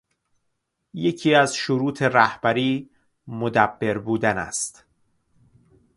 یکی از شروط رهبری، مدبّر بودن است